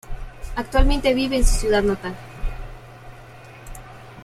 Actualmente vive en su ciudad natal.